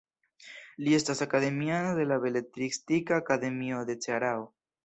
Li estas akademiano de la Beletristika Akademio de Cearao.